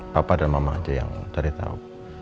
papa dan mama aja yang cari tahu